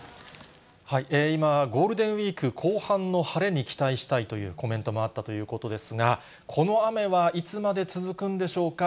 今、ゴールデンウィーク後半の晴れに期待したいというコメントもあったということですが、この雨はいつまで続くんでしょうか。